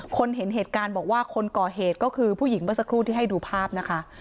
คนเห็นเหตุการณ์บอกว่าคนก่อเหตุก็คือผู้หญิงเมื่อสักครู่ที่ให้ดูภาพนะคะ